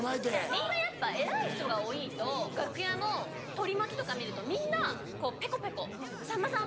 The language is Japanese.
みんなやっぱ偉い人が多いと楽屋の取り巻きとか見るとみんなペコペコ「さんまさん！」